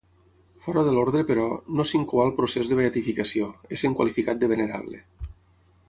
Fora de l'orde, però, no s'incoà el procés de beatificació, essent qualificat de venerable.